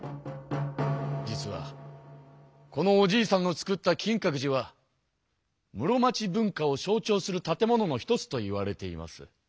実はこのおじいさんの作った金閣寺は室町文化を象ちょうする建物の一つといわれています。